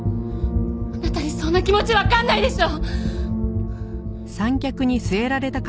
あなたにそんな気持ちわかんないでしょ！